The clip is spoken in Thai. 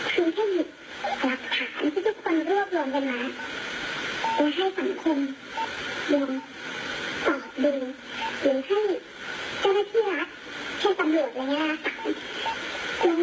ถึงถ้ามีรักฐานที่ทุกคนเลือกลงจำนั้นแล้วให้สังคมรวมตอบดึงหรือถ้ามีเจ้าที่รักสำหรับอะไรอย่างนี้ราคา